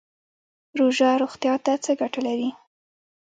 روژه روغتیا ته څه ګټه لري؟